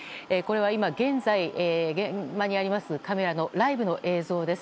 現在、現場にあるカメラのライブの映像です。